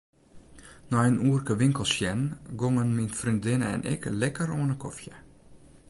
Nei in oerke winkels sjen gongen myn freondinne en ik lekker oan 'e kofje.